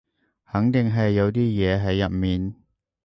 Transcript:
肯定係有啲嘢喺入面